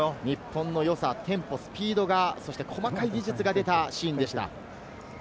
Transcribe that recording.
日本の良さ、テンポ、スピード、細かい技術が出たシーンでした。